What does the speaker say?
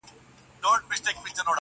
دغه سُر خالقه دغه تال کي کړې بدل~